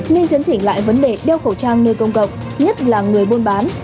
nên chấn chỉnh lại vấn đề đeo khẩu trang nơi công cộng nhất là người buôn bán